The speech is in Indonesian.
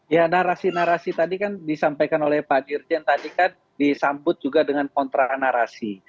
ya narasi narasi tadi kan disampaikan oleh pak dirjen tadi kan disambut juga dengan kontra narasi